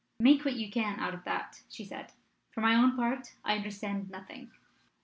"Make what you can out of that," she said. "For my own part, I understand nothing."